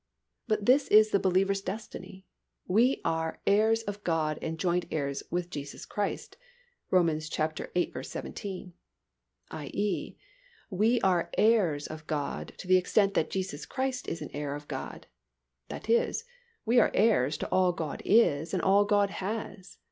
But this is the believer's destiny, we are "heirs of God and joint heirs with Jesus Christ" (Rom. viii. 17), i. e., we are heirs of God to the extent that Jesus Christ is an heir of God; that is, we are heirs to all God is and all God has.